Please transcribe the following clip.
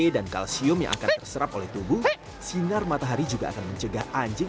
dan kalsium yang akan eva serap oleh tubuh itu living entar matahari juga akan mencegah anjing